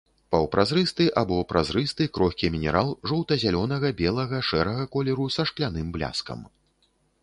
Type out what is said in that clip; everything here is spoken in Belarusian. Паўпразрысты або празрысты крохкі мінерал жоўта-зялёнага, белага, шэрага колеру са шкляным бляскам.